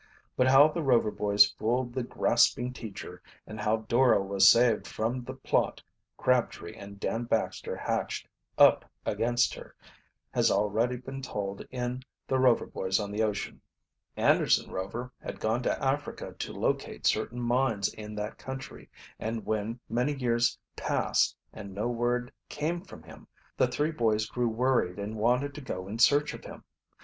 But how the Rover boys fooled the grasping teacher, and how Dora was saved from the plot Crabtree and Dan Baxter hatched up against her, has already been told in "The Rover Boys on the Ocean." Anderson Rover had gone to Africa to locate certain mines in that country, and when many years passed and no word came from him the three boys grew worried and wanted to go in search of him.